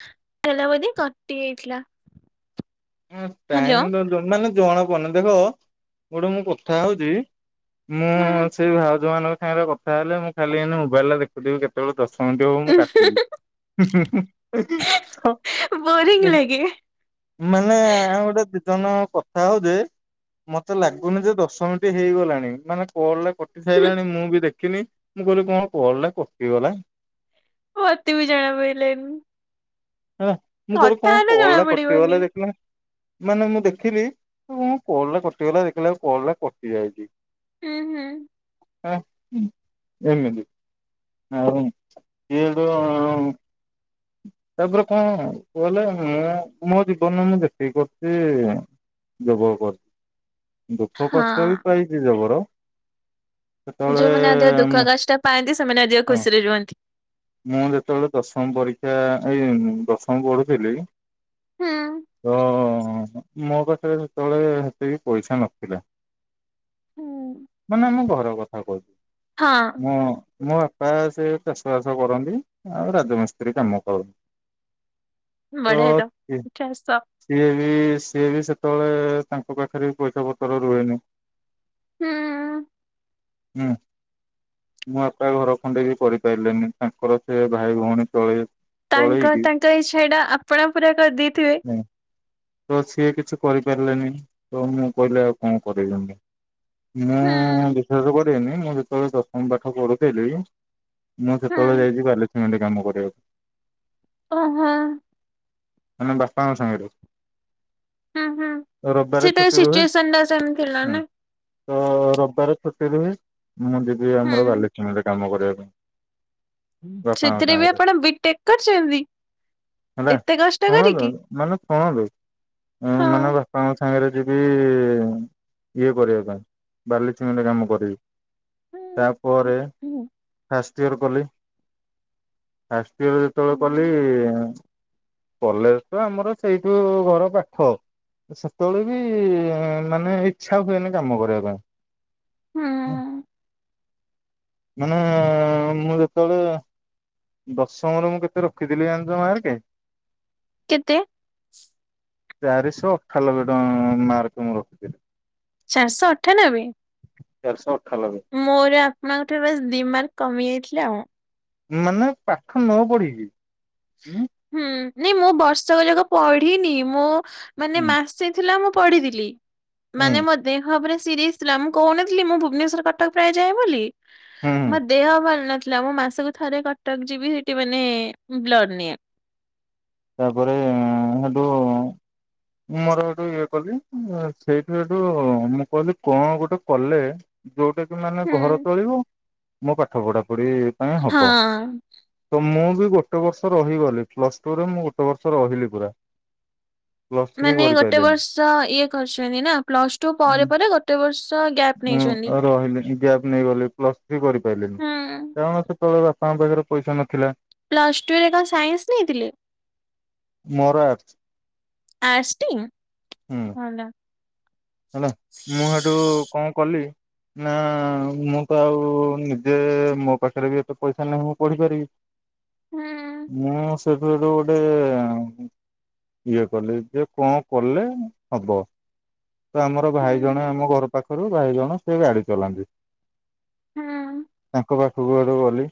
[unintelligible] କଟି ଯାଇଥିଲା। Hello. Time ତ ମାନେ ଜଣା ପଡ଼ନେ ଦେଖ ଗୋଟେ ମୁଁ କଥା ହଉଛି। ମୁଁ ହୁଁ ସେଇ ଭାଉଜ ମାନଙ୍କ ସାଙ୍ଗରେ କଥା ହେଲେ ମୁଁ ଖାଲି ଏ ମୋବାଇଲରେ ଦେଖ ଦେଇ କେତେବେଳେ ଦଶ ମିନିଟ ହେବ ମୁଁ କାଟିବି। ହଁ ବୋରିଂ [unintelligible] ଲାଗେ। ମାନେ ଆ ଗୋଟେ ଦି ଜଣ କଥା ହଉ ଯେ ମତେ ଲାଗୁନି ଯେ ଦଶ ମିନିଟ ଏ ହେଇଗଲାଣି ମାନେ କଲ ରେ କଟି ସାରିଲାଣି ମୁଁ ବି ଦେଖିନି। ମୁଁ କହିଲି କଣ କଲ୍ ଟା କଟିଗଲା। ଅତି ବି ଜଣା ପଇଲାନି। ହେଲା ମୁଁ କହିଲି କଣ ହେଲେ କଲ ଜଣା ଟା ପଡିବନି। କଟିଗଲା ଦେଖିଲ? ମାନେ ମୁଁ ଦେଖିଲି କଣ କଲ ଟା କଟିଗଲା ଦେଖିଲା ଲା କୁ କଲ୍ ଟା କଟି ଯାଇଛି। ହୁଁ ହୁଁ। ହ ଏମିତି। ହଁଉୁ [unintelligible] ତାପରେ କଣ କହିଲେ ମୁଁ ମୋ ଜୀବନରେ ମୁଁ ଯେତିକି କରିଛି ଯୋଗ କରଛି ଦୁଃଖ କଷ୍ଟ ବି ହଁ ପାଇଛି ଜବର। ସେତେବେଳେ ଯୋଉମାନେ ଅଧିକ ଦୁଃଖ କାଷ୍ଟ ପାଆନ୍ତି ସେମାନେ ଅଧିକ ହଁ ଖୁସିରେ ରୁହନ୍ତି। ମୁଁ ଯେତେବେଳେ ଦଶମ ପରୀକ୍ଷା ଏଇ ଦଶମ ପଢୁଥିଲି। ହୁଁ। ତ ମୋ ପାଖରେ ସେତେବେଳେ ହେତିକି ପଇସା ନଥିଲା। ହୁଁ। ମାନେ ମୁଁ ଘର କଥା କହୁଚି। ହଁ। ମୁଁ ମୋ ବାପା ହାକା ସେ ଚାଷବାସ ଚାଷ କରନ୍ତି ଆଉ ରାଜମିସ୍ତ୍ରୀ କାମ କରନ୍ତି। ତ ବଢିଆ ତି ଚାଷ। ସିଏ ବି ସିଏ ବି ସେତେବେଳେ ତାଙ୍କ ପାଖରେ ପଇସା ପତ୍ର ରୁହେନି। ହୁଁ। ହୁଁ ମୋ ବାପା ଘର ଖଣ୍ଡେ ବି କରିପାରିଲେନି। ତାଙ୍କର ସେ ଭାଇ ଭଉଣୀ ଚଳେ ତାଙ୍କ ତାଙ୍କ ଇଛା ଏଇଟା ଆପଣ ପୁରା କରିଦେଇଥିବେ। ତ ସିଏ କିଛି କରିପାରିଲେନି ତ ମୁଁ କହିଲି ଆଉ କଣ କରିଛନ୍ତି। ମୁଁ ହୁଁ। ବିଶ୍ଵସ କରିବେନି ମୁଁ ଯେତେବେଳେ ଦଶମ ପାଠ ପଢୁଇଥିଲି। ମୁଁ ହୁଁ ସେତେବେଳେ ଯାଇଛି ବାଲିସିମେଣ୍ଟ କାମ କରିବାକୁ। ଓହଁ। ମାନେ ବାପାଙ୍କ ସାଙ୍ଗରେ। ହଁ ହଁ ରବିବାରେ ସେଟା ଛୁଟି ରୁହେ ସିଚୁଏସନ ଟା ସେମିତିଥିଲା ନା। ତ ରବିବାର ଛୁଟିରେ ମୁଁ ଯିବି ଆମର ହୁଁ। ବାଲିସିମେଣ୍ଟ କାମ କରିବା ପାଇଁ। ବାପାଙ୍କ ସେଥିରେ ବି ସାଙ୍ଗରେ ଆପଣ ବିଟେକ କରିଛନ୍ତି ଏତେ କଷ୍ଟ କରିକି। ହଁ ବେ ମାନେ ବା ହଁ। ବାପା ଙ୍କ ସାଙ୍ଗରେ ଯିବି ଇଏ କରିବା ପାଇଁ ବାଲି ସିମେଣ୍ଟ କାମ କରିବି। ତାପରେ ଫାଷ୍ଟ ଇୟର କଲି। ଫାଷ୍ଟ ୟାର୍ ଯେତେବେଳେ କଲି। କଲେଜ ତ ଆମର ସେଇଠୁ ଘର ପାଖ। ସେତେବେଳେ ବି ମାନେ ଇଚ୍ଛା ହୁଏନି କାମ କରିବା ପାଇଁ। ହୁଁ ମାନେ ମୁଁ ଯେତେବେଳେ ଦଶମରେ ମୁଁ କେତେ ରଖିଥିଲି ଜାଣିଛ ମାରକେ? କେତେ? ଚାରିଶ ଅଠାନବେ ଟଙ୍କା ମାର୍କ ମୁଁ ରଖିଥିଲି। ଚାରିଶ ଅଠାନବେ? ଚାରିଶ ଅଠାନବେ ମୋର ଆପଣଙ୍କ ଠାରୁ ବାସ ଦି ମାର୍କ କମି ଯାଇଥିଲା ଆଉ। ମାନେ ପାଠ ନ ପଢିକି? ହୁଁ ନାଇଁ ମୁଁ ବର୍ଷକ ଯାକ ପଢିନି ମୁଁ ମାନେ ହୁଁ ମାସେ ଥିଲା ମୁଁ ପଢ଼ିଥିଲି ହୁଁ ମାନେ ମୋ ଦେହ ପୁରା ସିରିଏସ ଥିଲା ମୁଁ କହୁନଥିଲି ମୁଁ ଭୁବନେଶ୍ୱର କଟକ ପ୍ରାୟ ଯାଏ ବୋଲି। ହୁଁ ମୋ ଦେହ ଭଲ ନଥିଲା ମୋ ମାସକୁ ଥରେ କଟକ ଯିବି ସେଠି ମାନେ ବ୍ଲଡ଼ ନିଏ। ତାପରେ ଅଁ ହେଟୁ ମୋର ହେଟୁ ଇଏ କଲି ସେଇଠୁ ଏଠୁ ମୁଁ କହିଲି କଣ ଗୋଟେ କଲେ ଯୋଉଟା କିି ମାନେ ହୁଁ ଘର ଚଳିବ ମୋ ପାଠ ପଢ଼ାପଢ଼ି ପାଇଁ ହବ। ହଁ। ତ ମୁଁ ବି ଗୋଟେ ବର୍ଷ ରହିଗଲି ପ୍ଲସ ଟୁରେ ମୁଁ ଗୋଟେ ବର୍ଷ ରହିଲି ପୁରା। ପ୍ଲସ ଥ୍ରୀ ମାନେ ଗୋଟେ କରିପାରିଲିନି। ବର୍ଷ ଇଏ କରିଚନ୍ତି ନା ପ୍ଲସ ଟୁ ପରେ ଉଁ ପରେ ଗ ଟେ ବର୍ଷ ଗ୍ୟା ଉଁ ଅ ରହିଲି ଗ୍ୟାପ ନେଇଗଲି ପ୍ଲସ୍ ଥ୍ରୀ କରିପାରିଲିନି ହୁଁ କାରଣ ସେ ତେବେଳେ ବାପାଙ୍କ ପାଖରେ ପଇସା ନଥିଲା। ପ୍ଲସ୍ ଟୁରେ କ ସାଇନ୍ସ ନେଇଥିଲେ? ମୋର ଆର୍ଟ୍ସ। ଆର୍ଟ୍ସ ଟି ହୁଁ। ଭଲ। ହେଲା ମୁଁ ହେଟୁ କଣ କଲି ନା ମୁଁ ତ ଆଉ ନିଜେ ମୋ ପାଖରେ ବି ଏତେ ପଇସା ନାହିଁ ମୁଁ ପଢ଼ିପାରିବି। ହୁଁ। ମୁଁ ସେବେଠୁ ଗୋଟେ ଇଏ କଲି ଯେ କଣ କଲେ ହବ। ତ ଆମର ହୁଁ ଭାଇ ଜଣେ ଆମ ଘର ପାଖରୁ ଭାଇ ଜଣେ ସେ ଗାଡ଼ି ଚଲାନ୍ତି। ହୁଁ। ତାଙ୍କ ପାଖକୁ ହେଟୁ ଗଲି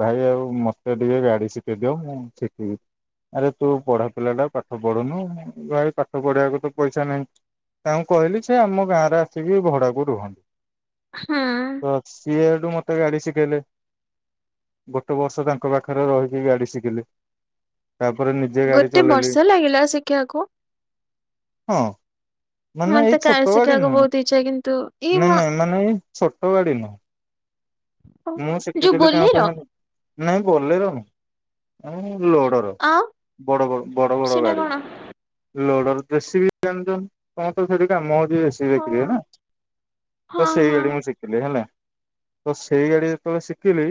ଭାଇ ଆଉ ମତେ ଟିକେ ଗାଡ଼ି ସିକେଇ ଦିଅ ମୁଁ ସିକିବି। ଆରେ ତୁ ପଢ଼ା ପିଲାଟା ପାଠ ପଢ଼ୁନୁ ଭାଇ ପାଠ ପଢ଼ିବାକୁ ତ ପଇସା ନାହିଁ। ତାଙ୍କୁ କହିଲି ସେ ଆମ ଗାଁରେ ଆସିକି ଭଡ଼ାକୁ ରୁହନ୍ ହୁଁ। ତ ସିଏ ହେଟୁ ମ ତେ ଗାଡ଼ି ଶିକେଇଲେ ଗୋଟେ ବର୍ଷ ତାଙ୍କ ପାଖରେ ରହିକି ଗାଡ଼ି ଶିକିଲି। ତାପରେ ନିଜେ ଗାଡ଼ି ଗୋଟେ ଚଲେଇଲି ବର୍ଷ ଲାଗିଲା ଶିଖିବାକୁ। ହଁ। ମାନେ ଏଇ ମତେ କାର ଛୋଟ ଗାଡ଼ି ଶିଖିବାକୁ ନୁଅଁ ବହୁତ ଇଚ୍ଛା କିନ୍ତୁ ଏଇ ନାଁ ମୋ ନାଁ ମାନେ ଏଇ ଛୋଟ ଗାଡ଼ି ନୁହଁ। ମୁଁ ଯୋଉ ଶିଖିଥିଲି ତାଙ୍କ ବୋଲେର ପାଖରୁ ନାଇଁ ବୋଲେରୋ ନୁ ଉ ଲୋଡ଼ର ଆଉ ବଡ଼ ବ ବଡ଼ ବଡ଼ ସେଟା ଗାଡ଼ି। କଣ ଲୋଡର ଜେସିବି ଜାଣିଛନ୍ ତମର ତ ସେଠି କାମ ହଉଛି ଜେସି ହଁ [unintelligible] ହଁ ହଁ ସେଇଗାଡ଼ି ମୁଁ ଶିଖିଲି ହେଲା। ତ ସେଇ ଗାଡ଼ି ଯେତେବେଳେ ଶିକିଲି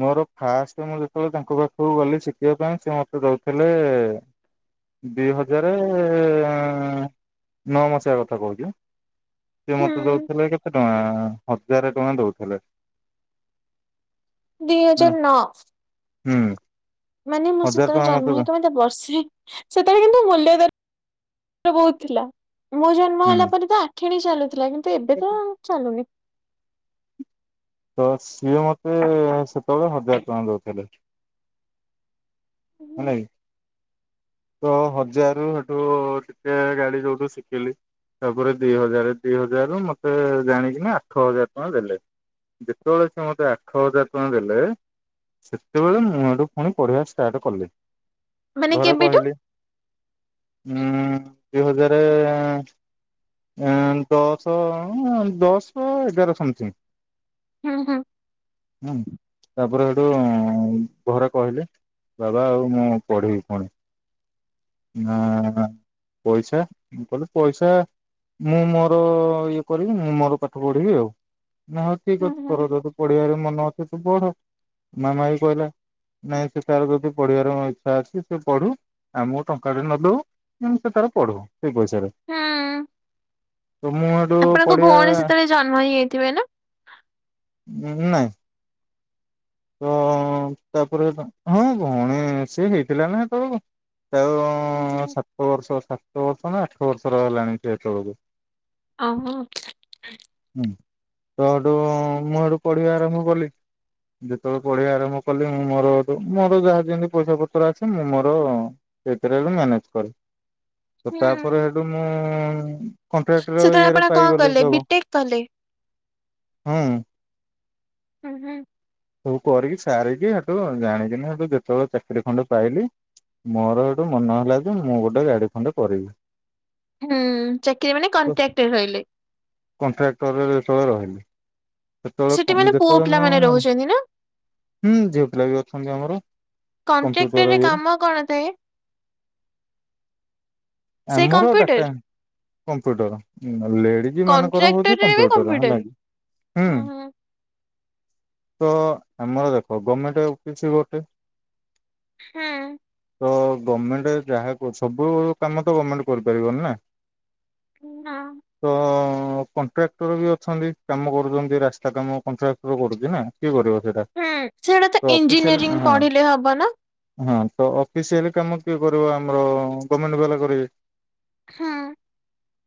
ମୋର ଫାଷ୍ଟ ମୁଁ ଯେତେବେଳେ ତାଙ୍କ ପାଖକୁ ଗଲି ଶିକିବା ପାଇଁ ସେ ମତେ ଦୋଉଥିଲେ ଦି ହଜାରେ ନଅ ମସିହା କଥା କହୁଛି। ସେ ମତେ ହୁଁ। ଦୋଉଥିଲେ କେତେ ଟଙ୍କା ହଜାରେ ଟଙ୍କା ଦୋଉଥିଲେ। ଦି ହଁ ହଜାର ନଅ। ହୁଁ। ମାନେ ମୁଁ ହଜାର ସେତେବେଳେ ଟଙ୍କା ଜନ୍ମ ହେଇ ଦ ତ ମତେ ବର୍ଷେ ସେତେବେଳେ କିନ୍ତୁ ମୂଲ୍ୟ ଦର ବୋହୁତ ଥିଲା ମୁଁ ଜନ୍ମ ହେଲା ହୁଁ ପରେ ତ ଆ ଠିଣି ଚାଲୁଥିଲା କିନ୍ତୁ ଏବେ ତ ଚାଲୁନି। ତ ସିଏ ମତେ ସେତେବେଳେ ହଜାର ଟଙ୍କା ଦଉଥିଲେ। ହେଲାକି? ତ ହଜାରୁ ହେଠୁ ଟିକେ ଗାଡ଼ି ଯୋଉଠୁ ଶିଖିଲି ତାପରେ ଦି ହଜାର ଦି ହଜାରରୁ ମତେ ଜାଣି କିନା ଆଠ ହଜାର ଟଙ୍କା ଦେଲେ। ଯେତେବେଳେ ସେ ମତେ ଆଠ ହଜାର ଟଙ୍କା ଦେଲେ ସେତେବେଳେ ମୁଁ ଏଠୁ ପୁଣି ପଢିବା ଷ୍ଟାର୍ଟ କଲି ମାନେ ଘରେ କେବେଠୁ? କହିଲି। ଉୁଁ ଦି ହଜାରେ ଦଶ ଦଶ ଏଗାର ସମଥିଙ୍ଗ୍। ହୁଁ ହୁଁ। ହୁଁ ତାପରେ ହେଠୁ ଘରେ କହିଲେ। ବାବା ଆଉ ମୁଁ ପଢିବି ପୁଣି ନା ନା ପଇସା ମୁଁ କହିଲି ପଇସା ମୁଁ ମୋର ଇଏ କରିବି ମୁଁ ମୋର ପାଠ ପଢିବି ଆଉ ନ ହଉ ଠିକ୍ ହୁଁ ଅଛି କର ଯେହେତୁ। ପଢିବାର ମନ ଅଛି ତୁ ପଢ। ମାମା ଏଇ କହିଲା ନାଇଁ ସେ ତାର ଯଦି ପଢିବାର ଇଚ୍ଛା ଅଛି ସେ ପଢୁ ଆମର ଟଙ୍କା ଟେ ନଦଉ ଉଁ ତେ ତାର ପଢୁ ସେଇ ପଇସାରେ। ହୁଁ ତ ମୁଁ ଏଠୁ ଆପଣଙ୍କ ପଢିଆ ଭଉଣୀ ସେତେବେଳେ ଜନ୍ମ ହେଇଯାଇଥିବେ ନା? ହୁଁ ନାଇଁ। ତ ତାପରେ ହଁ ଭଉଣୀ ସିଏ ହେଇଥିଲା ନା ହେତଳକୁ ଆଉ ହଁ ସାତ ବର୍ଷ ସାତ ବର୍ଷ ନା ଆଠ ବର୍ଷର ହେଲାଣି ସେତେବଳକୁ। ଆହୋ। ହୁଁ ତ ଏଠୁ ମୁଁ ହେଠୁ ପଢିବା ଆରମ୍ଭ କଲି। ଯେତେବେଳେ ପଢିଆ ଆରମ୍ଭ କଲି ମୁଁ ମୋର ମୋର ଯାହା ଯେମିତି ପଇସା ପତ୍ର ଆସ ମୁଁ ମୋର ସେଇଥିରେ ହେଲେ ମ୍ୟାନେଜ କରେ ତ ତାପରେ ହୁଁ ହେଠୁ ମୁଁ କଣ୍ଟ୍ରାକ୍ଟର ସେତେବେଳେ ଇଏରେ ଆପଣ କଣ ପାଇଗଲି କଲେ ଜବ। ବିଟେକ୍ କଲେ? ହୁଁ। ହୁଁ ହୁଁ। ସବୁ କରିକି ସାରିକି ହେଠୁ ଜାଣିକିନି ହେଠୁ ଯେତେବେଳେ ଚାକିରି ଖଣ୍ଡେ ପାଇଲି ମୋର ହେଠୁ ମନେ ହେଲା ଯେ ମୁଁ ଗୋଟେ ଗାଡି ଖଣ୍ଡେ କରିବି ହୁଁ ଚାକିରି ମାନେ ତ କଣ୍ଟ୍ରାକ୍ଟରେ ରହିଲେ। କଣ୍ଟ୍ରାକ୍ଟରରେ ଯେତେବେଳେ ରହିଲି ସେତେବେଳେ ସେଠି ମାନେ ପୁଅ ଯେତେବେଳେ ପିଲା ମାନେ ମୁଁ ରହୁଛନ୍ତି ନା? ହୁଁ ଝିଅ ପିଲା ବି ଅଛନ୍ତି ଆମର କମ୍ପ୍ୟୁଟର କଣ୍ଟ୍ରାକ୍ଟରରେ ଇଏରେ। କାମ କଣ ଥାଏ? ସେ ଆମର କମ୍ପ୍ୟୁଟର ଡାଟା କମ୍ପ୍ୟୁଟର ଲେଡି ଜୀ ମାନଙ୍କର ହଉଛି କଣ୍ଟ୍ରାକ୍ଟରରେ ବି କମ୍ପ୍ୟୁଟର ହେଲା କି ହୁଁ। ତ ଆମର ଦେଖ ଗମେଣ୍ଟ କିଛି ଗୋଟେ ହୁଁ। ତ ଗମେଣ୍ଟ ଯାହା କୁହ ସବୁ କାମ ତ ଗମେଣ୍ଟ କରିପାରିବନି ନା। ନା। ତ କଣ୍ଟ୍ରାକ୍ଟର ବି ଅଛନ୍ତି କାମ କରୁଚନ୍ତି ରାସ୍ତା କାମ କଣ୍ଟ୍ରାକ୍ଟର କରୁଛି ନା। କିଏ କରିବ ସେଇଟା ହୁଁ ସେଗୁଡା ତ ଇଞ୍ଜିନିୟରିଂ ଅଫିସିଆଲ ହଁ ପଢିଲେ ହବ ନା? ହଁ ତ ଅଫିସିଆଲି କାମ କିଏ କରିବ ଆମର ଗମେଣ୍ଟ ବାଲା କରିବେ। ହଁ।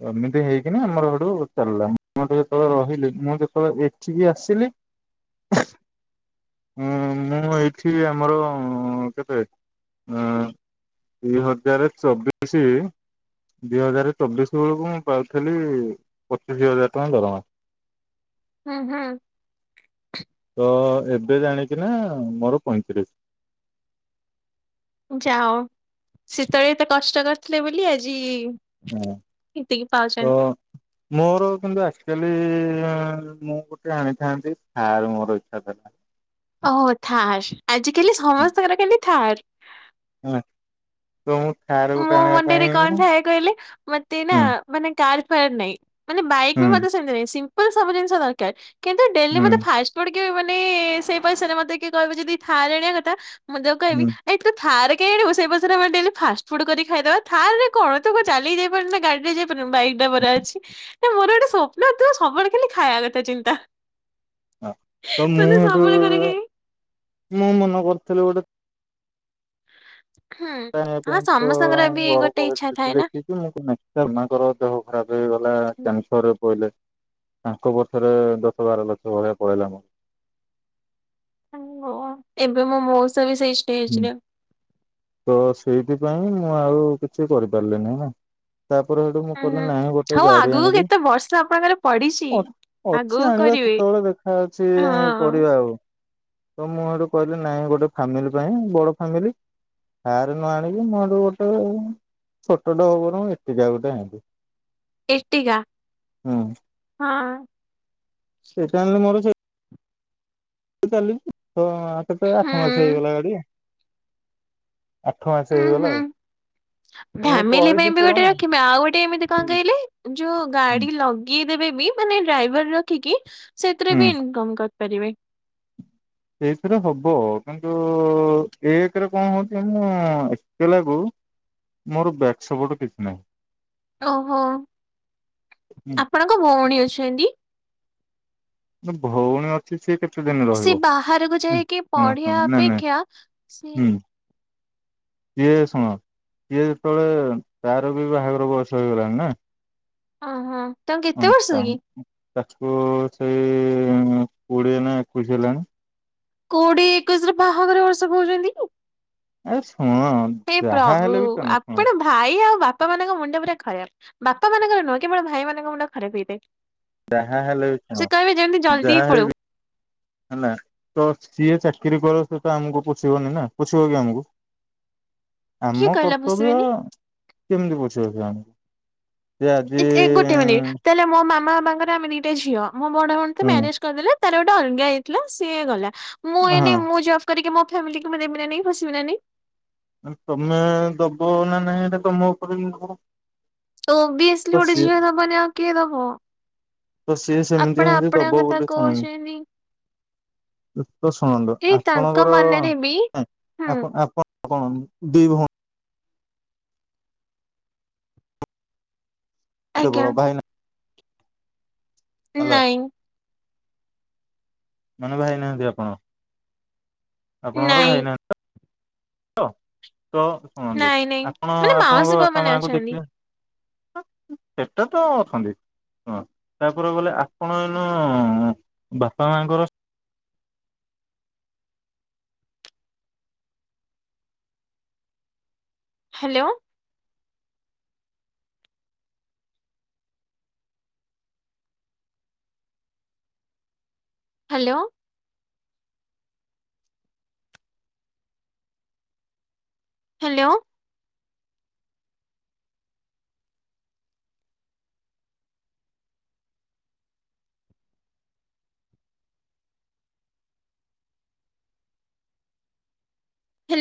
ଏମିତି ହେଇକିନି ଆମର ହେଠୁ ଚାଲିଲା ମୁଁଠୁ ଯେତେବେଳେ ରହିଲି ମୁଁ ଯେତେବେଳେ ଏଠିକି ଆସିଲି [unintelligible] ମୁଁ ମୁଁ ଏଇଠି ଆମର କେବେ ଏଁ ଦି ହଜାରେ ଚବିଶି। ଦିଇ ହଜାର ଚବିଶ ବେଳକୁ ମୁଁ ପାଉଥିଲି ପଚିଶି ହଜାର ଟଙ୍କା ଦରମା। ଉଁ ହୁଁ। ତ ଏବେ ଜାଣିକିନା ମୋର ପଇଁତିରିଶ। ଯାଅ ସେତେଳେ ଏତେ କଷ୍ଟ କରିଥିଲେ ବୋଲି ଆଜି ହଁ ଏତିକି ତ ପାଉଚନ୍ତି। ମୋର କିନ୍ତୁ ଆଜିକାଲି ମୁଁ ଗୋଟେ ଆଣିଥାନ୍ତି ଥାର ମୋର ଇଚ୍ଛା ଥିଲା। ଓହୋ ଥାର୍ ଆଜିକାଲି ସମସ୍ତଙ୍କର କେମତି ଥାର୍। [inaudible] ମୁଁ ଆଣିବା ମଣ୍ଡିରେ କଣ ପାଇଁ ଥାଏ କହିଲେ ମତେ ନା। ହୁଁ ମାନେ କାର ଫାର ନାଇଁ ମାନେ ବାଇକ୍ ହୁଁ ବି ମଧ୍ୟ ସେମିତି ନାଇଁ ସିମ୍ପଲ ସବୁ ଜିନିଷ ଦରକାର। କିନ୍ତୁ ଡେଲି ହୁଁ ମତେ ଫାଷ୍ଟଫୁଡ କିଏ ମାନେ ସେଇ ପଇସାରେ ମତେ କିଏ କହିବ ଯଦି ଥାର୍ ଆଣିଆ କଥା। ମୁଁ ତାକୁ କହିବି ହୁଁ ଏଇ ତୁ ଥାର୍ କାଇଁ ଆଣିବୁ ସେଇ ପଇସାରେ ଦେନି ମୋତେ ଫାଷ୍ଟ ଫୁଡ କରି ଖାଇଦବା ଥାଲି କଣ ତ ଚାଲି ଯାଇପାରୁନ ଗାଡି ରେ ଯାଇପାରୁନି ବାଇକ୍ ଟା ପୁରା ଅଛି। ନା ମୋର ଗୋଟେ ସ୍ୱପ୍ନ ତୁ ସବୁବେଳେ ଖାଲି ଖାଇବା କଥା ଚିନ୍ତା। ହ ତ ମୁଁ ମତେ ସବୁବେଳେ କରିକି [unintelligible] ମୁଁ ମନେ କରଥିଲି ଗୋଟେ। ହୁଁ। ଜାଣିବା ହଁ ପାଇଁ ତ ସମସ୍ତଙ୍କର ବି ଘର ଗୋଟେ ଇଚ୍ଛା ଥାଏ ପରିସ୍ଥିତି ନା। ଦେଖି। [unintelligible] ମାଙ୍କର ଦେହ ଖରାପ ହେଇଗଲା କ୍ୟାନସରରେ ପଇଲେ। ତାଙ୍କ ବତରେ ଦଶ ବାର ଲକ୍ଷ ଭଳିଆ ପଳେଇଲା ମ। [unintelligible] ଏବେ ମୋ ମୋ ମଉସା ବି ସେଇ। ହୁଁ ଷ୍ଟେଜରେ ତ ସେଇଥିପାଇଁ ମୁଁ ଆଉ କିଛି କରିପାରିଲିନି ହେଲା। ତାପରେ ଏଠୁ ମୁଁ ହୁଁ କିଲି ହୁଁ ନାହିଁ ଗୋଟେ ହଉ ଗାଡି ଆଗକୁ ଆଣିବି କେତେ ବର୍ଷ ଆପଣଙ୍କର ପଡିଛି। ଅର। ଆଗକୁ ପଛେ ଆଣିବା କରିବେ ସେତେବେଳେ ଦେଖା ଅଛି ହଁ କରିବା ଆଉ। ତ ମୋର କହିଲି ନାଇଁ ଗୋଟେ ଫ୍ୟାମିଲି ପାଇଁ ବଡ ଫ୍ୟାମିଲି। ହାରେ ନ ଆଣିକି ମୋଠୁ ଗୋଟେ ଛୋଟ ଟେ ହଉ ବଂର [inaudible] ଗୋଟେ ଆଣିବୁ। ଇଟିକା ହଁ। ଏଷ୍ଟା ଆଣିଲୁ ମୋର ଛି। [unintelligible] କେତେ ହୁଁ ଆଠ ମାସ ହେଇଗଲା ଗାଡି। ସେ ହୁଁ ହେଇଗଲା ହୁଁ। ଆଉ। ତ ମୁଁ ଫ୍ୟାମିଲି ପାଇଁ କହିଛି ବି ଗୋଟେ ପୁରଣ ରଖିବା ଆଉ ଗୋଟେ ଏମିତି କଣ ହୁଁ କହିଲେ ଯୋଉ ହୁଁ ଗାଡି ଲ କି ଦେବେ ବି ମାନେ ଡ୍ରାଇଭର ରଖିକି ସେଥିରେ ହୁଁ, ବି ଇନକମ କରିପାରିବେ। ଏଇଥିରେ ହବ କିନ୍ତୁ ଏଥର କଣ ହଉଛି ଯାଚୁନା ଏତେ ଲାଗୁ। ମୋର ବ୍ୟାସ ବୁଡୁ କିଛି ନାହିଁ। ଓହୋ ନାହିଁ। ଆପଣଙ୍କ ଭଉଣୀ ଅଛନ୍ତି। ତ ଭଉଣୀ ନା ଛି ଛି କେତେ ଦିନି? ସେ ବାହାରକୁ ଯାଇକି ପଢିବା ନାଇଁ ନାଇଁ ଅପେକ୍ଷା ସି ଇଏ ଶୁଣ ଇଏ ହେତେବେଳେ ତାର ବି ବାହାଘର ବୟସ ହେଇଗଲାଣି ନା। ହ ହଁ ତଙ୍କ [unintelligible] ହୁଁ ତା ତାକୁ ସେ କୋଡିଏ ନା ଏକୋଇଶ ହେଲାଣି। କୋଉଠି ଏକୋଇଶରେ ବାହାଘର ବର୍ଷା କହୁଚନ୍ତି କି। ଏ ଶୁଣ। ହେ ଯାହା ପ୍ରଭୁ ହେଲେ ବି ତମେ ଶୁଣ ଆପଣ ଭା ଭାଇ ଆଉ ବାପା ମାନଙ୍କ ମୁଣ୍ଡ ପୁରା ଖରାପ ବାପା ମାନଙ୍କର ନୁହଁ କେବଳ ଭାଇମାନଙ୍କ ମୁଣ୍ଡ ଖରାପ ହେଇଥାଏ। ଯାହା ହେଲେ ବି ସେ କଅଣ କହିବେ ଯେମିତି ଜଲ୍ଦି ଯାହା ପଳଉ ହେଲେ ବି। ହେଲା ତ ସିଏ ଚାକିରି କରୁ ଆମକୁ ପୋଷିବନି ନା ପୋଷିବ କି ଆମକୁ। [unintelligible] କିଏ ଆମ କହିଲା କର୍ତ୍ତବ୍ୟ ବସିବେନି କେମିତି ପଛେଇି [unintelligible] ସେ ଆଜି ଗୋଟେ ମିନିଟ୍ ତାହେଲେ ମୋ ମାମ ବାଙ୍କରେ ଆମେ ଦିଟେ ଝିଅ ବଡଣ ତ ହୁଁ ମ୍ୟାରେଜ ଦେଲେ ତାର ଗୋଟେ ଅଲଗା ହେଇଥିଲା ସିଏ ଗଲା ମୁଁ ହଁ ଏଇନେ ମୁଁ ଯା କରିକି ମୋ ଫ୍ୟାମିଲି ମୁଁ ଦେବିନା ନାହିଁ ପୁସିବି ନା ନାହିଁ। ତମେ ଦବ ନା ନାଇଁ ଏଇଟା ତମ ଉପରେ ନିର୍ଭର। ତ ଓବିଅସ୍ଲି ଗୋଟେ ସିଏ ଯଝି ଦେବନି ଆଉ କିଏ ଦବ। ତ ସିଏ ସେମିତି ଆପଣ ଏମିତି ଦବ ଆପଣଙ୍କ କଥା ବୋଲି ଶୁଣ କହୁଛନ୍ତି ଦତ ଶୁଣନ୍ତୁ ଏଇ ତାଙ୍କ ଆପଣଙ୍କର ମନରେ ବି ହୁଁ ଆପ ଆପଣ ଦି ଘ ଆଜ୍ଞା କେବଳ ଭାଇ ହ୍ୟାଲୋ। ନାଇଁ ମାନେ ବାହା ହେଇନାହାନ୍ତି ଆପଣ? ଆପଣଙ୍କର ନାଇଁ ଭାଇ ନାହା ତ ଶୁଣନ୍ତୁ ନାଇଁ ନାଇଁ ଆପଣ ମାନେ ଆପଣଙ୍କ ମାଉସି ବା ବାପା ମାନେ ମାଙ୍କୁ ଅଛନ୍ତି। ଦେଖିବେ ସେଟା ତ ଅଛନ୍ତି। ହଁ ତାପରେ ଗଲେ ଆପଣ ଯେଇନ ବାପା ମାଙ୍କର ହ୍ୟାଲୋ। ହାଲୋ। ହ୍ୟାଲୋ।